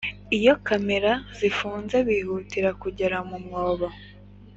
iyo kamera zifunze bihutira kugera mu mwobo